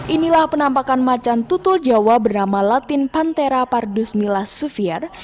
inilah penampakan macan tutul jawa bernama latin pantera pardus mila sufier